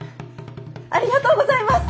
ありがとうございます！